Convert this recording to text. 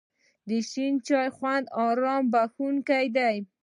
د شین چای خوند آرام بښونکی دی.